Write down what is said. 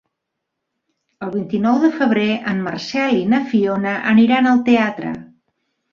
El vint-i-nou de febrer en Marcel i na Fiona aniran al teatre.